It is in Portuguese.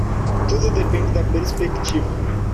Tudo depende da perspectiva